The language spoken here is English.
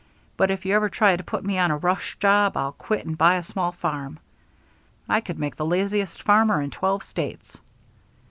But if you ever try to put me on a rush job I'll quit and buy a small farm.' I could make the laziest farmer in twelve states.